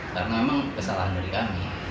karena memang kesalahan dari kami